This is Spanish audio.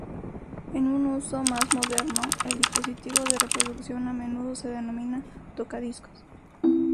En un uso más moderno, el dispositivo de reproducción a menudo se denomina "tocadiscos".